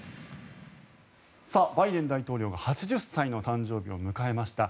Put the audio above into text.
さあ、バイデン大統領が８０歳の誕生日を迎えました。